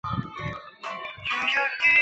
这个漏洞由于触发条件简单而备受关注。